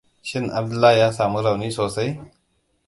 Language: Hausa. Shin Abdullahi ya samu rauni sosai?